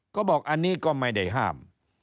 เขาบอกอันนี้ก็ไม่ได้ห้าม